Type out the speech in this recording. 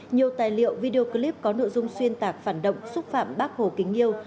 nhiều tài liệu video clip có nội dung xuyên tạc phản động xúc phạm bác hồ kính yêu